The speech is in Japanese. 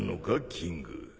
キング